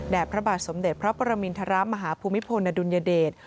พระบาทสมเด็จพระปรมินทรมาฮภูมิพลอดุลยเดช